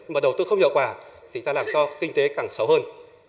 mà đầu tư không hiệu quả thì chúng ta làm cho kinh tế càng xấu hơn